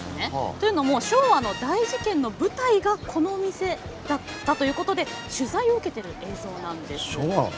というのも昭和の大事件の舞台がこの店だったということで取材を受けている映像なんです。